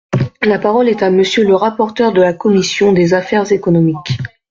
La parole est à Monsieur le rapporteur de la commission des affaires économiques.